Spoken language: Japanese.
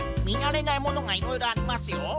みなれないものがいろいろありますよ。